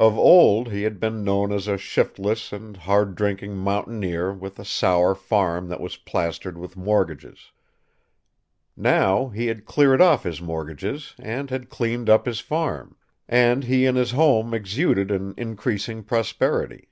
Of old he had been known as a shiftless and harddrinking mountaineer with a sour farm that was plastered with mortgages. Now, he had cleared off his mortgages and had cleaned up his farm; and he and his home exuded an increasing prosperity.